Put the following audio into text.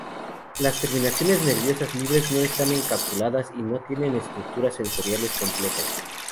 Las terminaciones nerviosas libres no están encapsuladas y no tienen estructuras sensoriales complejas.